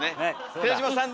寺島さんで。